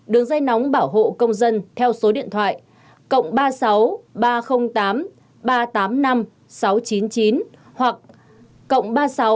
đường dây nóng bảo hộ công dân theo số điện thoại cộng ba mươi sáu ba trăm linh tám ba trăm tám mươi năm sáu trăm chín mươi chín hoặc cộng ba mươi sáu ba trăm linh bốn hai trăm một mươi chín năm trăm hai mươi năm